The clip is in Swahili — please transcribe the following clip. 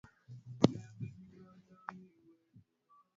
dadi ya watu waliofariki katika mashambulizi mawili ya kujitoa mhanga